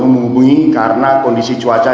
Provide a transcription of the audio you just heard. menghubungi karena kondisi cuaca